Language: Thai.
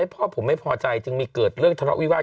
พ่อผมไม่พอใจจึงมีเกิดเรื่องทะเลาะวิวาส